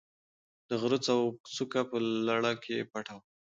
د غره څوکه په لړه کې پټه وه.